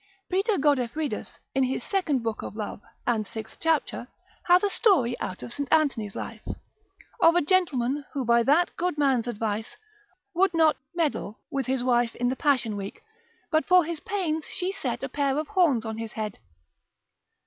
Peter Godefridus, in his second book of Love, and sixth chapter, hath a story out of St. Anthony's life, of a gentleman, who, by that good man's advice, would not meddle with his wife in the passion week, but for his pains she set a pair of horns on his head.